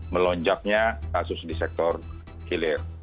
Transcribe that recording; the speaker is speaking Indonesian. melonjaknya kasus di sektor hilir